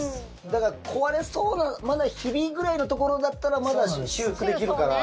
だから壊れそうな、まだひびぐらいのところだったらまだ修復できるから。